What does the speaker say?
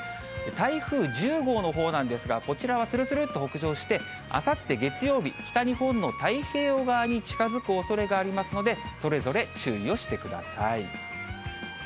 台風１０号のほうなんですが、こちらはするするっと北上して、あさって月曜日、北日本の太平洋側に近づくおそれがありますので、それぞれ注意をしてください。